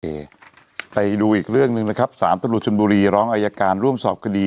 เอไปดูอีกเรื่องหนึ่งนะครับสารตำรวจชนบุรีร้องอายการร่วมสอบคดี